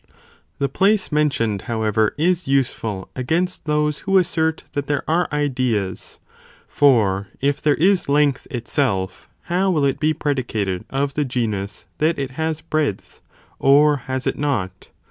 The place mentioned however is useful against those who assert that there are ideas, for if there is length itself, how will it be predicated of the genus that it has breadth or has it not